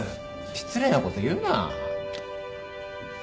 失礼なこと言うな。